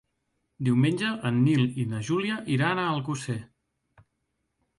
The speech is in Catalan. Diumenge en Nil i na Júlia iran a Alcosser.